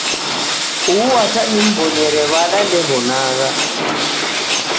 Uhu ata nimbonyere wada ndew'onagha